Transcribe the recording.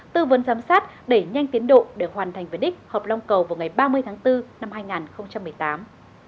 tư vấn giám sát để nhanh tiến độ để hoàn thành vấn đích họp long cầu vào ngày ba mươi tháng bốn năm hai nghìn một mươi tám